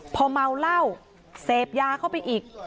พอเมาเหล้าเสพยาเข้าไปอีก